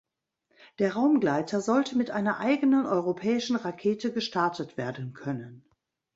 Der Raumgleiter sollte mit einer eigenen europäischen Rakete gestartet werden können.